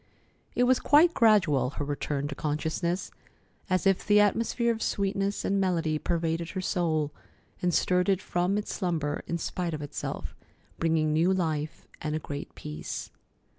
It was quite gradual, her return to consciousness, as if the atmosphere of sweetness and melody pervaded her soul, and stirred it from its slumber in spite of itself, bringing new life and a great peace.